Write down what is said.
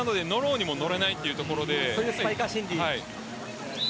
なのでそういうスパイカー心理。